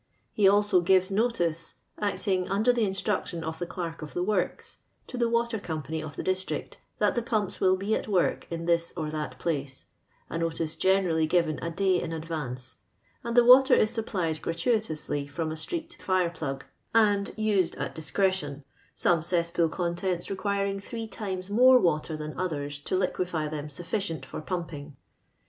He also gives notice (acting under the instruction of the clerk of the worics ) to the water company of the dis trict, that the pumps will be at work in this or that place, a notice generally given a day in advance, and the water is supplied gratuitously, from a street fire plug, and used at discretion, some cesspool contents requiring three times more water than others to Uquefy them suf ficient for pumping.